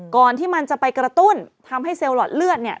ก่อนที่มันจะไปกระตุ้นทำให้เซลล์หลอดเลือดเนี่ย